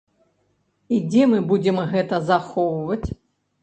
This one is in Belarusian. І дзе мы будзем гэта захоўваць?